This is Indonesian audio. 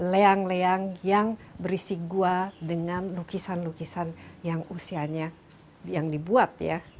leang leang yang berisi gua dengan lukisan lukisan yang usianya yang dibuat ya